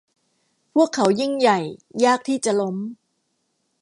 พวกเขายิ่งใหญ่ยากที่จะล้ม